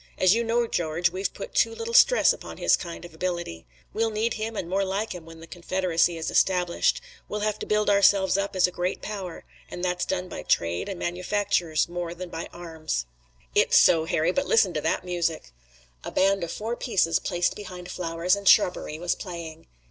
As you know, George, we've put too little stress upon his kind of ability. We'll need him and more like him when the Confederacy is established. We'll have to build ourselves up as a great power, and that's done by trade and manufactures more than by arms." "It's so, Harry. But listen to that music!" A band of four pieces placed behind flowers and shrubbery was playing.